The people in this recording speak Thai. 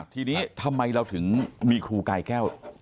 ทีนี้ทำไมเราถึงมีครูกายแก้ว